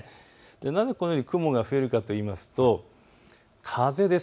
なぜこのように雲が増えるかといいますと、風です。